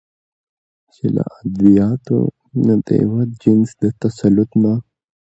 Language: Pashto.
چې له ادبياتو نه د يوه جنس د تسلط نه